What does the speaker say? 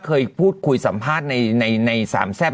เคยพูดคุยสัมภาษณ์ในสามแซ่บ